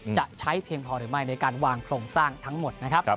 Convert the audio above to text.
จะใช้เพียงพอหรือไม่ในการวางโครงสร้างทั้งหมดนะครับ